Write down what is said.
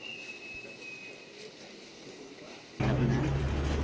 เรามีกลับที่สู่ได้เลยครับ